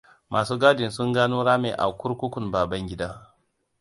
Masu gadin sun gano rami a kurkukun Babangida.